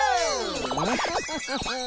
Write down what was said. ムフフフフ。